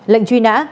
lệnh truy nã